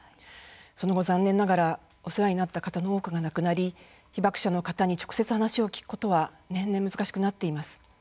その後、残念ながらお世話になった方の多くが亡くなり被爆者の方に直接話を聞くことは年々難しくなっています。